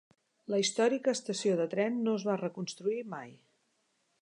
La històrica estació de tren no es va reconstruir mai.